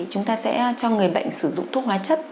chúng ta sẽ cho người bệnh sử dụng thuốc hóa chất